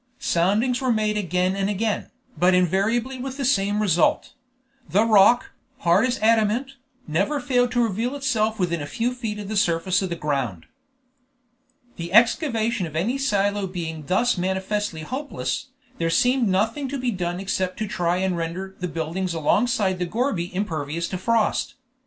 Soundings were made again and again, but invariably with the same result; the rock, hard as adamant, never failed to reveal itself within a few feet of the surface of the ground. The excavation of any silo being thus manifestly hopeless, there seemed nothing to be done except to try and render the buildings alongside the gourbi impervious to frost.